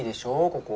ここ。